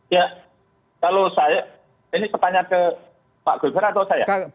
ya kalau saya ini pertanyaan ke pak guzer atau saya